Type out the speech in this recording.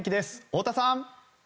太田さん。